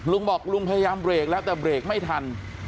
ลุงบอกลุงพยายามเบรกแล้วแต่เบรกไม่ทัน